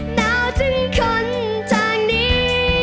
หนาวถึงคนจากนี้